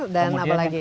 dan ke apa lagi